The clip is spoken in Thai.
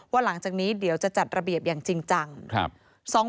หลังจากนี้เดี๋ยวจะจัดระเบียบอย่างจริงจัง